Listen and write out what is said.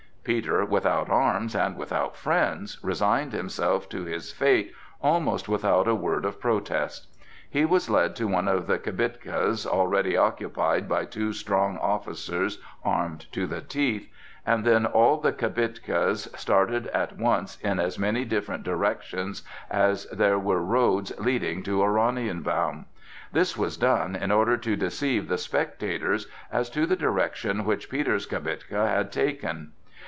Peter, without arms and without friends, resigned himself to his fate almost without a word of protest. He was led to one of the kibitkas, already occupied by two strong officers armed to the teeth, and then all the kibitkas started at once in as many different directions as there were roads leading to Oranienbaum. This was done in order to deceive the spectators as to the direction which Peter's kibitka had taken.